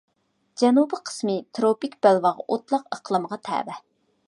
جەنۇبىي قىسمى تىروپىك بەلباغ ئوتلاق ئىقلىمىغا تەۋە.